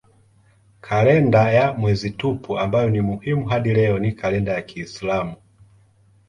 Kalenda ya mwezi tupu ambayo ni muhimu hadi leo ni kalenda ya kiislamu.